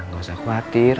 gak usah khawatir